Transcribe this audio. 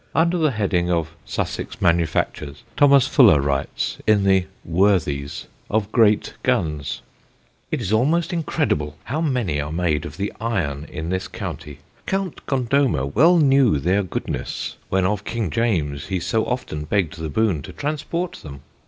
Under the heading of Sussex manufactures, Thomas Fuller writes, in the Worthies, of great guns: "It is almost incredible how many are made of the Iron in this County. Count Gondomer well knew their goodness, when of King James he so often begg'd the boon to transport them.